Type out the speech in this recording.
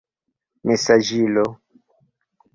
mesaĝilo